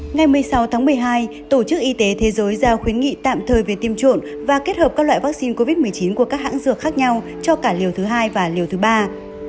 ngày một mươi sáu tháng một mươi hai tổ chức y tế thế giới giao khuyến nghị tạm thời về tiêm trộm và kết hợp các loại vaccine covid một mươi chín của các hãng dược khác nhau cho cả liều thứ hai và liều thứ ba